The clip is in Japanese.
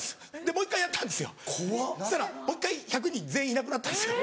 もう１回やったんですよそしたらもう１回１００人全員いなくなったんですよ。